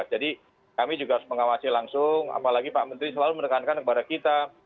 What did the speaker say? jadi kami juga harus mengawasi langsung apalagi pak menteri selalu menekankan kepada kita